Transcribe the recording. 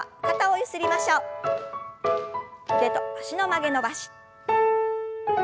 腕と脚の曲げ伸ばし。